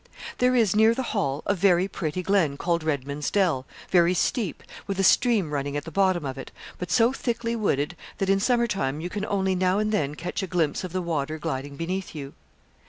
There is, near the Hall, a very pretty glen, called Redman's Dell, very steep, with a stream running at the bottom of it, but so thickly wooded that in summer time you can only now and then catch a glimpse of the water gliding beneath you.